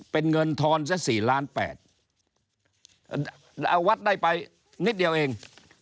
เป็นเงินทอนแค่๔๘๐๐๐๐๐บาทเอาวัดได้ไปนิดเดียวเอง